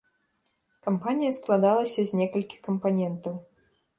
Кампанія складалася з некалькіх кампанентаў.